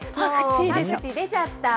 もうパクチー、出ちゃった。